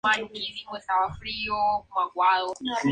El apellido de su madre era Núñez.